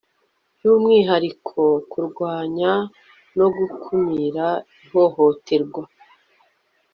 byumwihariko kurwanya no gukumira ihohoterwa